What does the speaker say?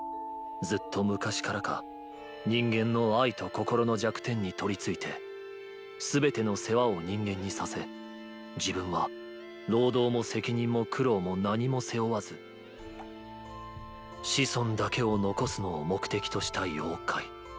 ずっと昔からか人間の愛と心の弱点に取り憑いて全ての世話を人間にさせ自分は労働も責任も苦労も何も背負わず「子孫だけを残すのを目的とした妖怪」。